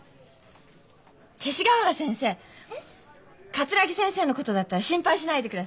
桂木先生のことだったら心配しないでください。